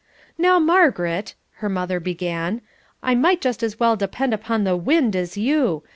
"Now, Margaret," her mother began, "I might just as well depend upon the wind as you!